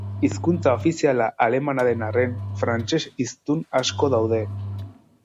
Hizkuntza ofiziala alemana den arren, frantses-hiztun asko daude.